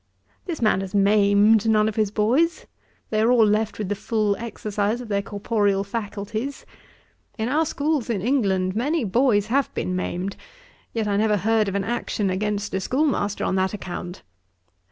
This man has maimed none of his boys. They are all left with the full exercise of their corporeal faculties. In our schools in England, many boys have been maimed; yet I never heard of an action against a schoolmaster on that account.